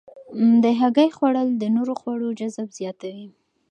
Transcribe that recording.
د هګۍ خوړل د نورو خوړو جذب زیاتوي.